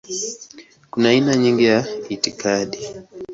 Kuna aina nyingi za itikadi.